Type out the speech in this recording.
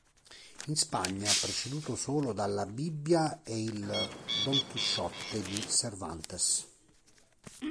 In Spagna preceduto solo dalla "Bibbia" e il "Don Chisciotte" di Cervantes.